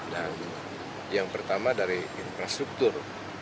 dan yang pertama dari infrastruktur